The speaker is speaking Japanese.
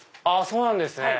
そうなんですね。